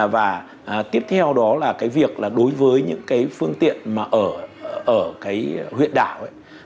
và tiếp theo đó là việc đối với những phương tiện ở huyện đảo